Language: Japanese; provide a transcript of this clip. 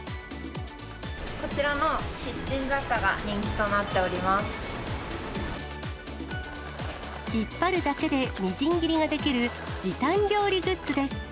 こちらのキッチン雑貨が人気引っ張るだけでみじん切りができる時短料理グッズです。